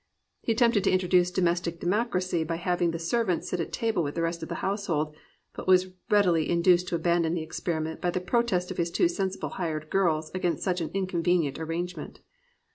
He attempted to introduce domestic democracy by having the ser vants sit at table with the rest of the household, but was readily induced to abandon the experiment by the protest of his two sensible hired girls against such an inconvenient arrangement.